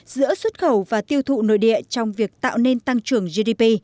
giữa xuất khẩu và tiêu thụ nội địa trong việc tạo nên tăng trưởng gdp